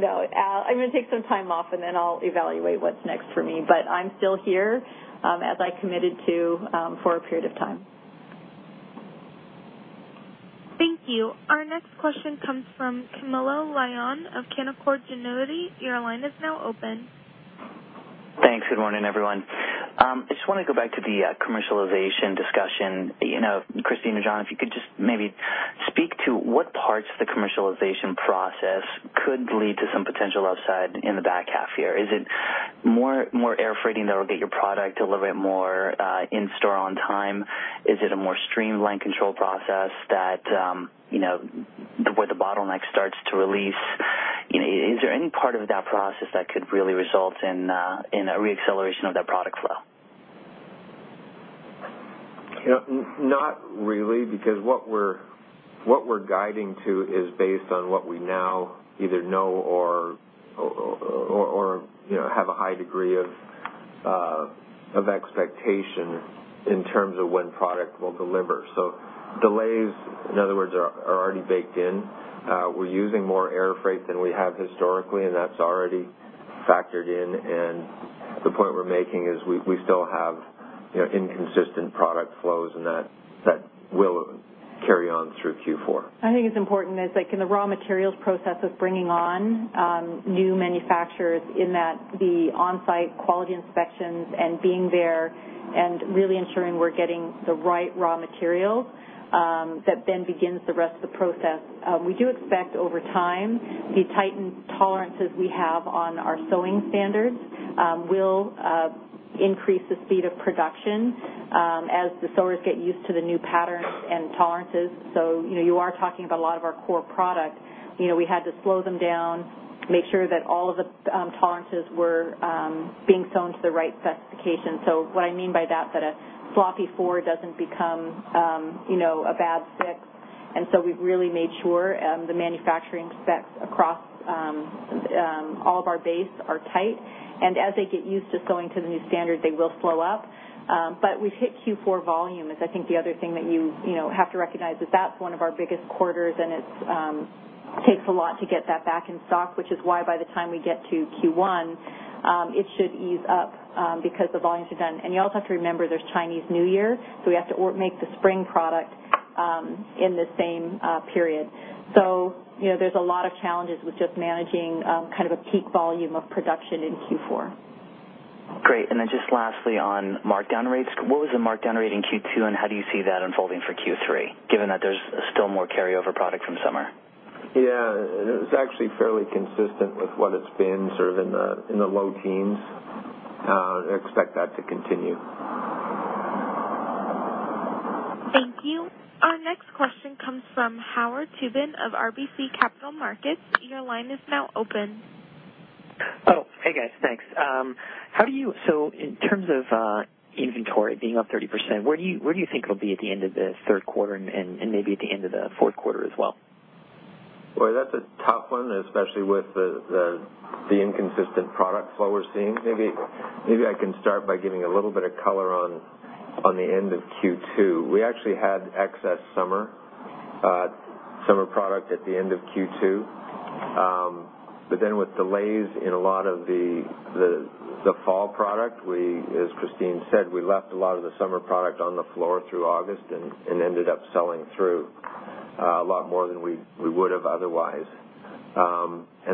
No. I'm going to take some time off, then I'll evaluate what's next for me. I'm still here, as I committed to, for a period of time. Thank you. Our next question comes from Camilo Lyon of Canaccord Genuity. Your line is now open. Thanks. Good morning, everyone. I just want to go back to the commercialization discussion. Christine or John, if you could just maybe speak to what parts of the commercialization process could lead to some potential upside in the back half year. Is it more air freighting that will get your product a little bit more in store on time? Is it a more streamlined control process where the bottleneck starts to release? Is there any part of that process that could really result in a re-acceleration of that product flow? Not really, because what we're guiding to is based on what we now either know or have a high degree of expectation in terms of when product will deliver. Delays, in other words, are already baked in. We're using more air freight than we have historically, and that's already factored in. The point we're making is we still have inconsistent product flows, and that will carry on through Q4. I think it's important is like in the raw materials process of bringing on new manufacturers in that the onsite quality inspections and being there and really ensuring we're getting the right raw materials, that then begins the rest of the process. We do expect over time, the tightened tolerances we have on our sewing standards will increase the speed of production as the sewers get used to the new patterns and tolerances. You are talking about a lot of our core product. We had to slow them down, make sure that all of the tolerances were being sewn to the right specification. What I mean by that a floppy four doesn't become a bad six. We've really made sure the manufacturing specs across all of our base are tight. As they get used to sewing to the new standard, they will flow up. We've hit Q4 volume is I think the other thing that you have to recognize is that's one of our biggest quarters, and it takes a lot to get that back in stock, which is why by the time we get to Q1, it should ease up because the volumes are done. You also have to remember there's Chinese New Year, we have to make the spring product in the same period. There's a lot of challenges with just managing a peak volume of production in Q4. Great. Then just lastly on markdown rates, what was the markdown rate in Q2, and how do you see that unfolding for Q3, given that there's still more carryover product from summer? Yeah. It was actually fairly consistent with what it's been, sort of in the low teens. Expect that to continue. Thank you. Our next question comes from Howard Tubin of RBC Capital Markets. Your line is now open. Hey guys, thanks. In terms of inventory being up 30%, where do you think it'll be at the end of the third quarter and maybe at the end of the fourth quarter as well? Boy, that's a tough one, especially with the inconsistent product flow we're seeing. Maybe I can start by giving a little bit of color on the end of Q2. We actually had excess summer product at the end of Q2. With delays in a lot of the fall product, as Christine Day said, we left a lot of the summer product on the floor through August and ended up selling through a lot more than we would have otherwise.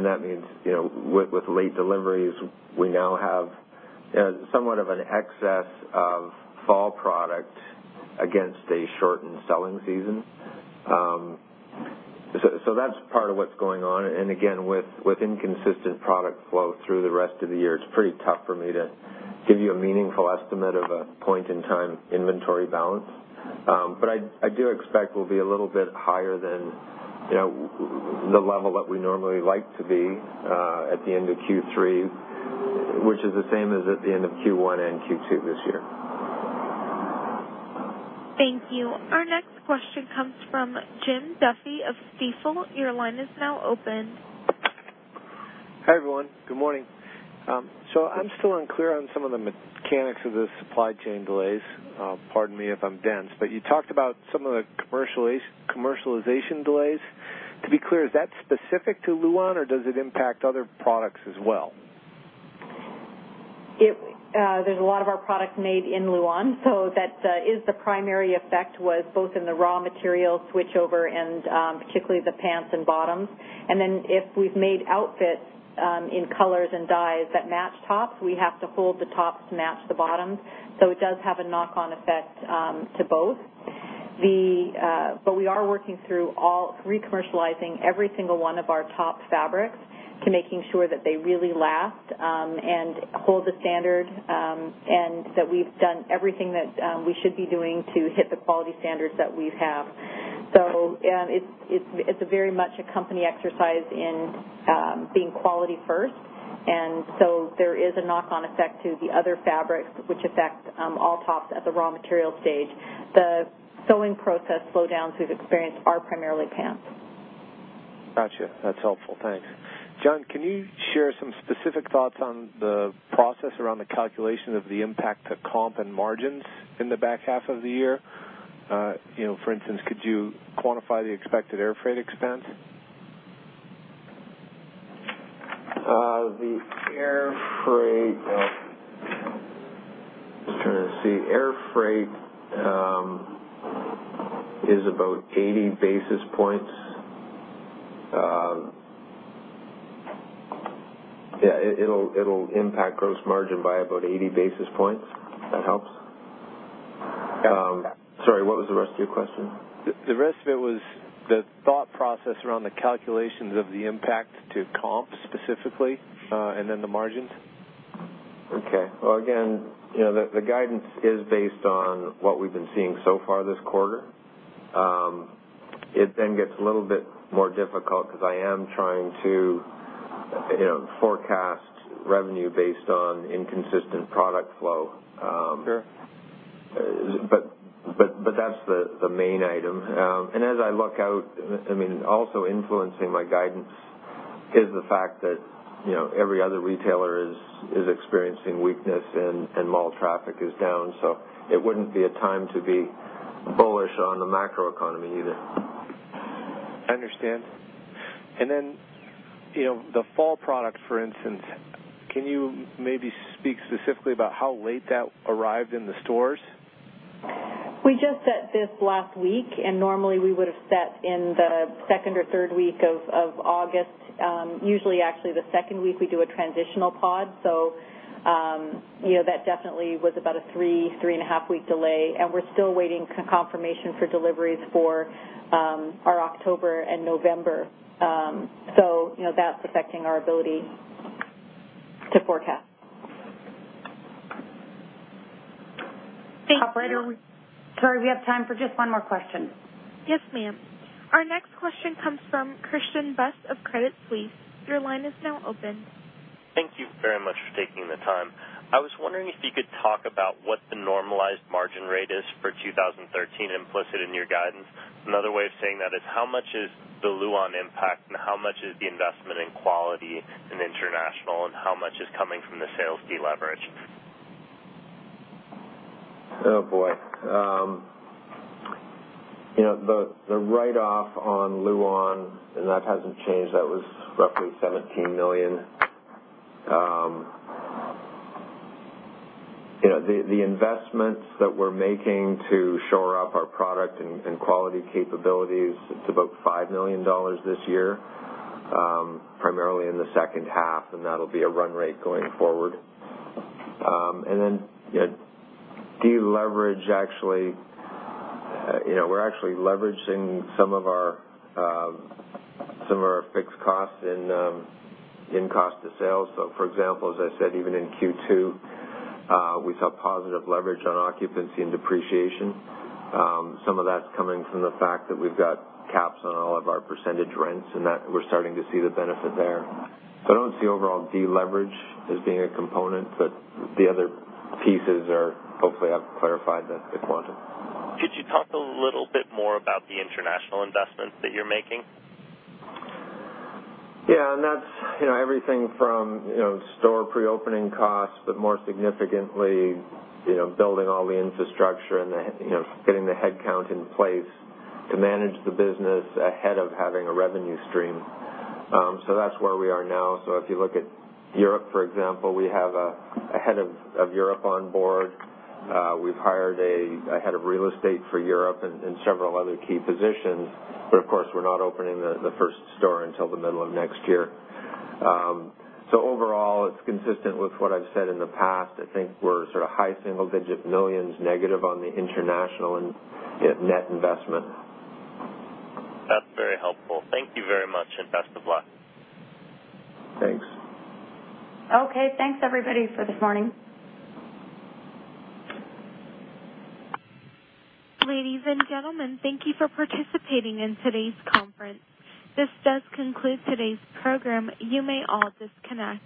That means with late deliveries, we now have somewhat of an excess of fall product against a shortened selling season. That's part of what's going on. Again, with inconsistent product flow through the rest of the year, it's pretty tough for me to give you a meaningful estimate of a point-in-time inventory balance. I do expect we'll be a little bit higher than the level that we normally like to be at the end of Q3, which is the same as at the end of Q1 and Q2 this year. Thank you. Our next question comes from Jim Duffy of Stifel. Your line is now open. Hi, everyone. Good morning. I'm still unclear on some of the mechanics of the supply chain delays. Pardon me if I'm dense, but you talked about some of the commercialization delays. To be clear, is that specific to Luon, or does it impact other products as well? There's a lot of our products made in Luon, so that is the primary effect, was both in the raw material switchover and particularly the pants and bottoms. If we've made outfits in colors and dyes that match tops, we have to hold the tops to match the bottoms. It does have a knock-on effect to both. We are working through re-commercializing every single one of our top fabrics to making sure that they really last and hold the standard, and that we've done everything that we should be doing to hit the quality standards that we have. It's very much a company exercise in being quality first. There is a knock-on effect to the other fabrics, which affect all tops at the raw material stage. The sewing process slowdowns we've experienced are primarily pants. Got you. That's helpful. Thanks. John, can you share some specific thoughts on the process around the calculation of the impact to comp and margins in the back half of the year? For instance, could you quantify the expected air freight expense? The air freight. Just trying to see. Air freight is about 80 basis points. Yeah, it'll impact gross margin by about 80 basis points, if that helps. Yeah. Sorry, what was the rest of your question? The rest of it was the thought process around the calculations of the impact to comps specifically, and then the margins. Okay. Well, again, the guidance is based on what we've been seeing so far this quarter. It then gets a little bit more difficult because I am trying to forecast revenue based on inconsistent product flow. Sure. That's the main item. As I look out, also influencing my guidance is the fact that every other retailer is experiencing weakness and mall traffic is down. It wouldn't be a time to be bullish on the macroeconomy either. I understand. Then, the fall product, for instance, can you maybe speak specifically about how late that arrived in the stores? We just set this last week. Normally we would've set in the second or third week of August. Usually, actually, the second week we do a transitional pod. That definitely was about a three-and-a-half week delay. We're still waiting confirmation for deliveries for our October and November. That's affecting our ability to forecast. Thank you. Operator, sorry, we have time for just one more question. Yes, ma'am. Our next question comes from Christian Buss of Credit Suisse. Your line is now open. Thank you very much for taking the time. I was wondering if you could talk about what the normalized margin rate is for 2013 implicit in your guidance. Another way of saying that is, how much is the Luon impact and how much is the investment in quality and international, and how much is coming from the sales deleverage? Oh, boy. The write-off on Luon, and that hasn't changed, that was roughly 17 million. The investments that we're making to shore up our product and quality capabilities, it's about 5 million dollars this year, primarily in the second half, and that'll be a run rate going forward. Deleverage, we're actually leveraging some of our fixed costs in cost of sales. For example, as I said, even in Q2, we saw positive leverage on occupancy and depreciation. Some of that's coming from the fact that we've got caps on all of our percentage rents, and that we're starting to see the benefit there. I don't see overall deleverage as being a component. The other pieces are, hopefully, I've clarified the quantum. Could you talk a little bit more about the international investments that you're making? Yeah. That's everything from store pre-opening costs, but more significantly, building all the infrastructure and getting the head count in place to manage the business ahead of having a revenue stream. That's where we are now. If you look at Europe, for example, we have a head of Europe on board. We've hired a head of real estate for Europe and several other key positions. Of course, we're not opening the first store until the middle of next year. Overall, it's consistent with what I've said in the past. I think we're sort of high single-digit millions negative on the international and net investment. That's very helpful. Thank you very much, and best of luck. Thanks. Okay. Thanks, everybody, for this morning. Ladies and gentlemen, thank you for participating in today's conference. This does conclude today's program. You may all disconnect.